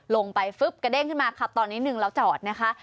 ฟึ๊บกระเด้งขึ้นมาขับตอนนิดนึงแล้วจอดนะคะ